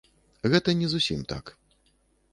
Гэта не зусім так.